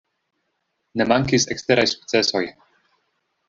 Ne mankis eksteraj sukcesoj.